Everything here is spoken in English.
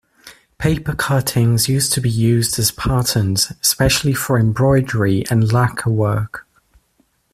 Papercuttings used to be used as patterns, especially for embroidery and lacquer work.